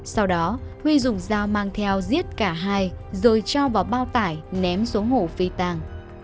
sau đó huy dùng dao mang theo giết cả hai rồi cho vào bao tải ném xuống hồ phi tàng